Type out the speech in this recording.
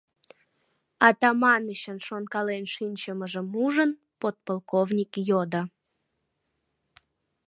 — Атаманычын шонкален шинчымыжым ужын, подполковник йодо.